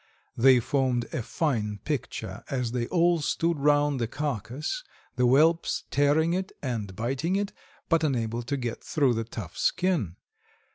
They formed a fine picture as they all stood round the carcass, the whelps tearing it and biting it, but unable to get through the tough skin.